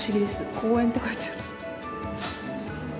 公園って書いてある。